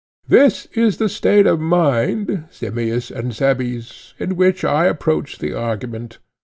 This is the state of mind, Simmias and Cebes, in which I approach the argument.